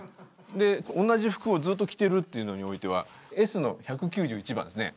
で同じ服をずっと着てるっていうのにおいてはＳの１９１番ですね。